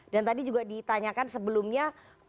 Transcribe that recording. dan tadi juga ditanyakan sebelumnya